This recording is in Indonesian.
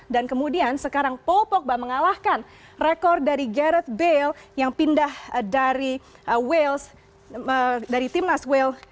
dan kemudian sekarang paul pogba mengalahkan rekor dari gareth bale yang pindah dari timnas wales